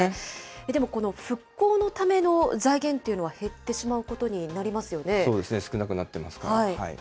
でもこの復興のための財源というのは減ってしまうことになりそうですね、少なくなってますから。